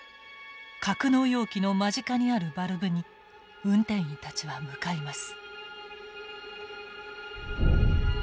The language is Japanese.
格納容器の間近にあるバルブに運転員たちは向かいます。